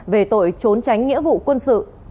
về tội trốn tránh nghĩa vụ quân sự